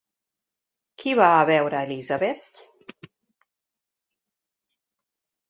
Qui va a veure Elizabeth?